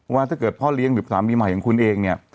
ว่าถ้าเกิดพ่อเลี้ยงหรือสามีใหม่ของคุณเองเนี่ย